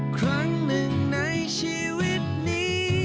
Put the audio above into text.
ครั้งหนึ่งในชีวิตนี้